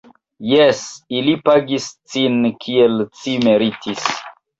Jes, ili pagis cin, kiel ci meritis!